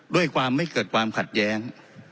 ด้วยความไม่เกิดความขัดแย้ง